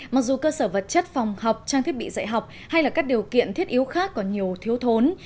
mặc dù cơ sở vật chất phòng học trang thiết bị dạy học hay là các điều kiện thiết yếu khác còn nhiều thiếu thốn